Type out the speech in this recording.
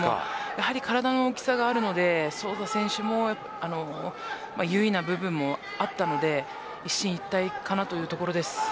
体の大きさがあるのでソウザ選手も優位な部分もあったので一進一退かなと思います。